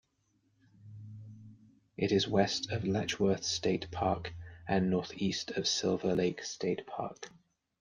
It is west of Letchworth State Park and northeast of Silver Lake State Park.